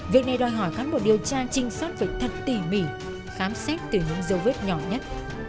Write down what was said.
việc này đòi hỏi cán bộ điều tra trinh sát phải thật tỉ mỉ khám xét từ những dấu vết nhỏ nhất